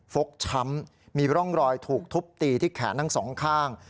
ฟกช้ำมีร่องรอยถูกทุบตีที่แขนทั้งสองข้าง